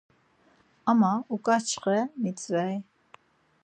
Ama uǩaçxe mitzvey.